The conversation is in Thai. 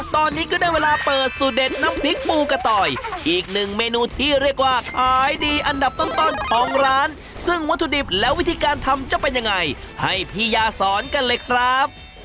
ตอนนี้ก็ได้เวลาเปิดสูตรเด็ดน้ำพริกปูกระต่อยอีกหนึ่งเมนูที่เรียกว่าขายดีอันดับต้นของร้านซึ่งวัตถุดิบและวิธีการทำจะเป็นยังไงให้พี่ยาสอนกันเลยครับ